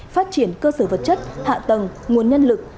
phát triển cơ sở vật chất hạ tầng nguồn nhân lực